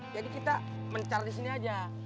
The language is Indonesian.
jadi kita mencar disini aja